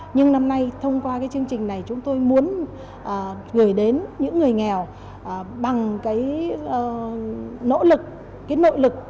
nhưng năm nay thông qua cái chương trình này chúng tôi muốn gửi đến những người nghèo bằng cái nỗ lực